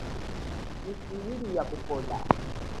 Yifwo ili ya kupola.